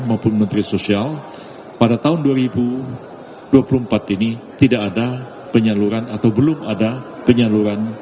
maupun menteri sosial pada tahun dua ribu dua puluh empat ini tidak ada penyaluran atau belum ada penyaluran